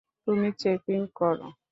তুমি চেকিং কর।